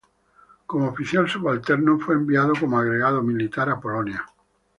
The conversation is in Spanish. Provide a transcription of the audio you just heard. Como oficial subalterno, fue enviado como agregado militar a Polonia.